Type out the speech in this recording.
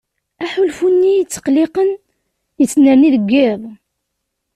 Aḥulfu-nni iyi-ittqelliqen yettnerni deg yiḍ.